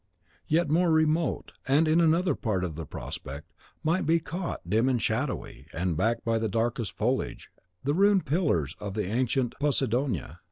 Yet more remote, and in another part of the prospect, might be caught, dim and shadowy, and backed by the darkest foliage, the ruined pillars of the ancient Posidonia.